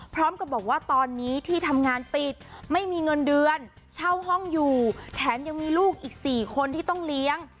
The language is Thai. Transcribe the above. พร้อมกับบอกว่าตอนนี้ที่ทำงานปิดไม่มีเงินเดือนเช่าห้องอยู่แถมยังมีลูกอีก๔คนที่ต้องเลี้ยง